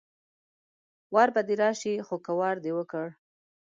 وار به دې راشي خو که وار دې وکړ